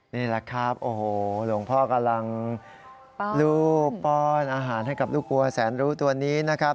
นี่แหละครับโอ้โหหลวงพ่อกำลังรูปป้อนอาหารให้กับลูกวัวแสนรู้ตัวนี้นะครับ